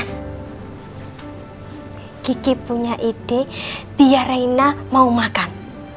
mas kiki punya ide biar reina mau makan